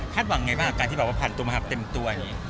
คาดหวังไงบ้างการที่บอกว่าพันสุมครับเต็มตัว